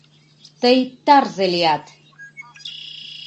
Тый тарзе лият!